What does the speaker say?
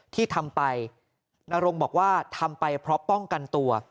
ที่ทำไปนรงบอกว่าทำไปเพราะป้องกันตัว